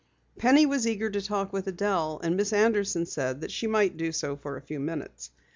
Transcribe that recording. Penny was eager to talk with Adelle, and Miss Anderson said that she might do so for a few minutes.